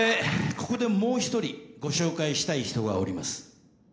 ここでもう一人ご紹介したい人がおります。